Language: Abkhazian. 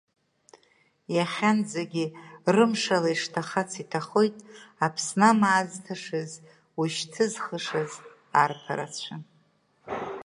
Иахьанӡагьы рымшала ишҭахац иҭахоит Аԥсны амаа азҭашаз, уи шьҭызхышаз арԥарацәа.